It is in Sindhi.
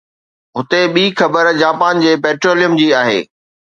هتي ٻي خبر جاپان جي پيٽروليم جي آهي